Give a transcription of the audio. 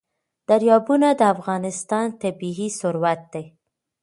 دریابونه د افغانستان طبعي ثروت دی.